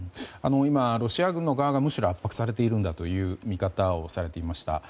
今、ロシア軍の側がむしろ圧迫されてるんだという見方をされていました。